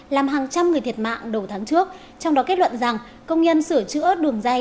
làm hàng trăm người thiệt mạng đầu tháng trước trong đó kết luận rằng công nhân sửa chữa đường dây